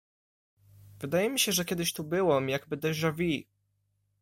Wydaje mi się, że kiedyś tu byłam, jakby deja vu.